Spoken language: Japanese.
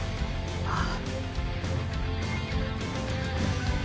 ああ。